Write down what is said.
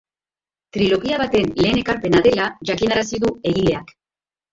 Trilogia baten lehen ekarpena dela jakinarazi du egileak.